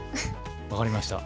分かりました。